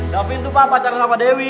davin tuh pak pacaran sama dewi